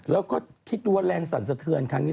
แล้วก็คิดดูว่าแรงสั่นสะเทือนครั้งนี้